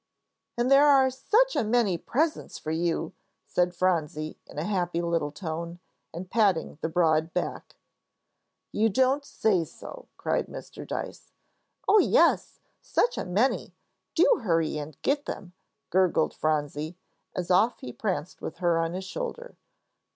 "And there are such a many presents for you," said Phronsie, in a happy little tone, and patting the broad back. "You don't say so!" cried Mr. Dyce. "Yes, oh, such a many; do hurry and get them," gurgled Phronsie, as off he pranced with her on his shoulder.